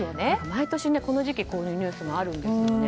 毎年この時期こういうニュースあるんですよね。